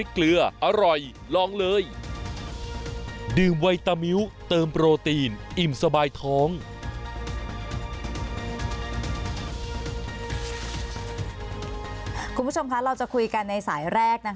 คุณผู้ชมคะเราจะคุยกันในสายแรก